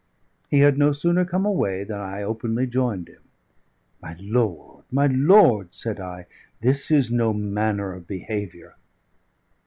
He had no sooner come away than I openly joined him. "My lord, my lord," said I, "this is no manner of behaviour."